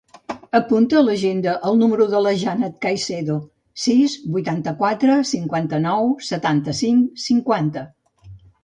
Apunta a l'agenda el número de la Jannat Caicedo: sis, vuitanta-quatre, cinquanta-nou, setanta-cinc, cinquanta.